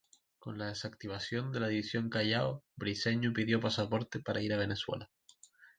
Con la desactivación de la División Callao, Briceño pidió pasaporte para ir a Venezuela.